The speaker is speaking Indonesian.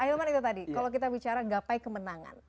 ah ilman itu tadi kalau kita bicara gapai kemenangan